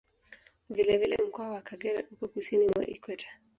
Vile vile Mkoa wa Kagera upo Kusini mwa Ikweta